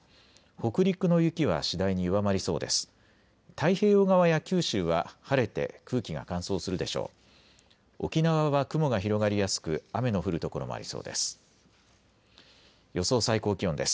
北陸の雪は次第に弱まりそうです。